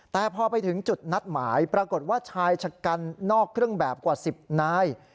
แต่พอไปถึงจุดนัดหมายปรากฏว่าชายชะกันนอกเครื่องแบบกว่า๑๐นาย